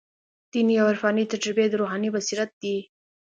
دیني او عرفاني تجربې د روحاني بصیرت دي.